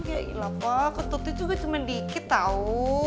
ya iya pak kentutnya juga cuman dikit tau